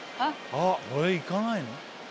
あれ行かないの？